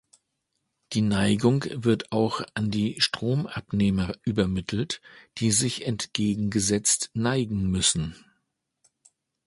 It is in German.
Die Neigung wird auch an die Stromabnehmer übermittelt, die sich entgegengesetzt neigen müssen.